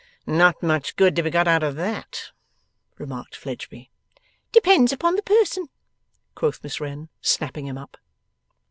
'Not much good to be got out of that,' remarked Fledgeby. 'Depends upon the person!' quoth Miss Wren, snapping him up.